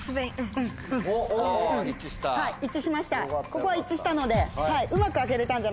ここは一致したのではい。